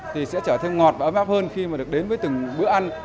thì sẽ trở thêm ngọt và ấm áp hơn khi mà được đến với từng bữa ăn